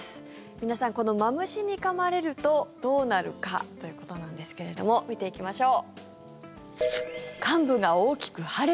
皆さん、このマムシにかまれるとどうなるかということなんですけれども見ていきましょう。